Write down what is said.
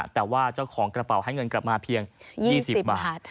แต่ว่าเจ้าของกระเป๋าให้เงินกลับมาเพียง๒๐บาท